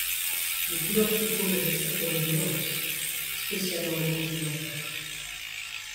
Les couleurs s'opposent avec certaine violence, spécialement les complémentaires.